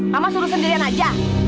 mama suruh sendirian aja